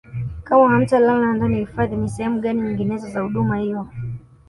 kama hamtalala ndani ya hifadhi ni sehemu gani nyinginezo za huduma hiyo